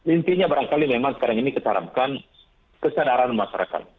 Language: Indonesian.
intinya barangkali memang sekarang ini kita harapkan kesadaran masyarakat